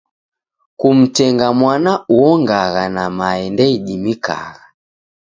Kumtenga mwana uongagha na mae ndeidimikagha.